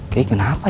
gigi kenapa ya